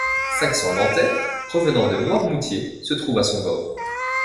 Cinq cents Nantais, revenant de Noirmoutier, se trouvent à son bord.